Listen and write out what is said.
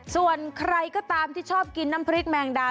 ส่วนใครก็ตามที่ชอบกินน้ำพริกแมงดา